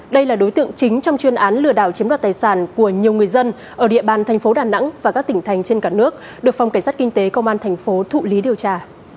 đây là đối tượng chính trong chuyên án lừa đảo chiếm đoạt tài sản của nhiều người dân ở địa bàn thành phố đà nẵng và các tỉnh thành trên cả nước được phòng cảnh sát kinh tế công an thành phố thụ lý điều tra